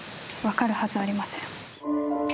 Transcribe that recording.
分かるはずありません。